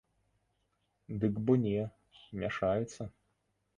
Дык бо не, мяшаюцца.